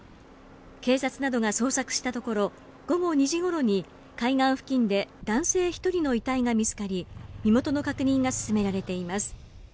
警察などが捜索したところ、午後２時ごろに海岸付近で男性１人の遺体が見つかり、身元の確認が進められています。